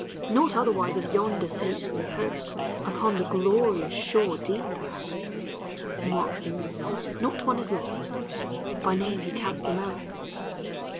.Not otherwise of yonder Saintly host Upon the glorious shore Deem thou. He marks them all, not one is lost; By name He counts them o'er.